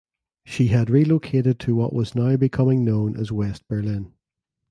She had relocated to what was now becoming known as West Berlin.